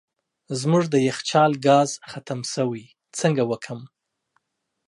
زموږ د یخچال ګاز ختم سوی څنګه وکم